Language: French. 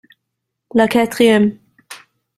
La quatrième.